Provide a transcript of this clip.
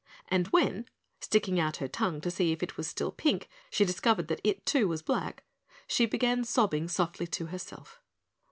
And when, sticking out her tongue to see if it was still pink she discovered that it, too, was black, she began sobbing softly to herself.